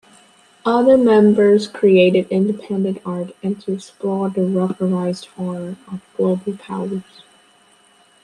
Other members created independent art and to explore the "rubberized horror of global powers".